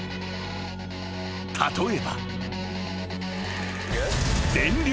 ［例えば］